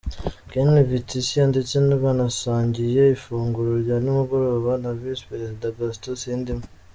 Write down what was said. Ken Vitisia ndetse banasangiye ifunguro rya nimugoroba na Visi Perezida Gaston Sindimwo.